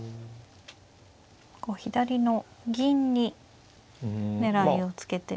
左の銀に狙いをつけて。